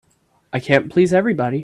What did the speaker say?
I can't please everybody.